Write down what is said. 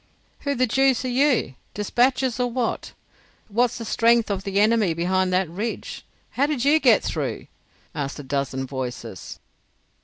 "Who the deuce are you? Despatches or what? What's the strength of the enemy behind that ridge? How did you get through?" asked a dozen voices.